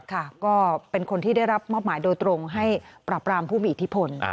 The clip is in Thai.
ก็เป็นคนที่ได้รับมอบหมายโดยตรงให้ปรับรามผู้มีอิทธิพล